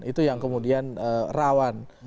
itu yang kemudian rawan